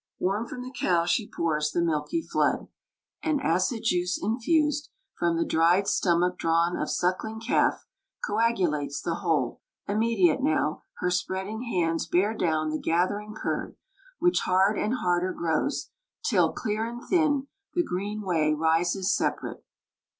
Warm from the cow she pours The milky flood. An acid juice infused, From the dried stomach drawn of suckling calf, Coagulates the whole. Immediate now Her spreading hands bear down the gathering curd, Which hard and harder grows, till, clear and thin, The green whey rises separate.